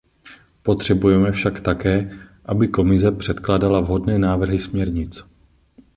Potřebujeme však také, aby Komise předkládala vhodné návrhy směrnic.